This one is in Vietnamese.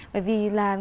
bởi vì là